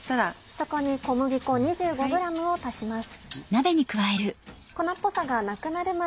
そこに小麦粉２５ｇを足します。